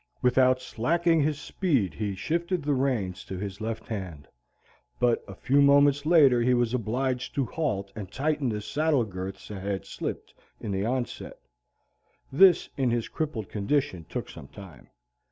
Without slacking his speed he shifted the reins to his left hand. But a few moments later he was obliged to halt and tighten the saddle girths that had slipped in the onset. This in his crippled condition took some time.